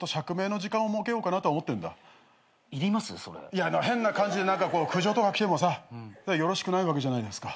いや変な感じで何か苦情とか来てもさよろしくないわけじゃないですか。